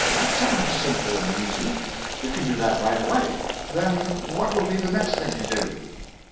"That sounds simple and easy. We can do that right away. Then what will be the next thing to do?"